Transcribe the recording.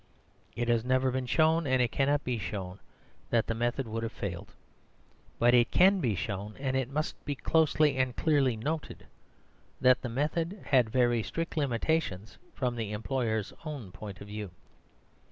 It has never been shown, and it cannot be shown, that the method would have failed. But it can be shown, and it must be closely and clearly noted, that the method had very strict limitations from the employers' own point of view.